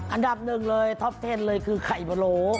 อันดับหนึ่งเลยท็อปเทนเลยคือไข่บะโหล